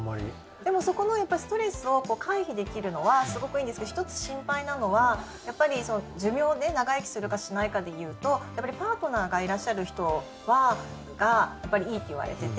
でもそこのストレスを回避できるのはすごくいいんですけど１つ心配なのは寿命で長生きするかしないかでいうとパートナーがいらっしゃる人がいいっていわれてて。